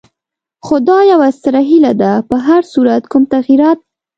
خو دا یوه ستره هیله ده، په هر صورت کوم تغیرات.